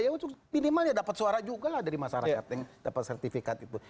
ya untuk minimal ya dapat suara juga lah dari masyarakat yang dapat sertifikat itu